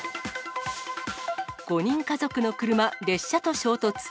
５人家族の車、列車と衝突。